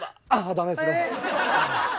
ダメですね。